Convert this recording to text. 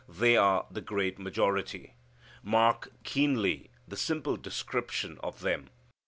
They are the great majority. Mark keenly the simple description of them.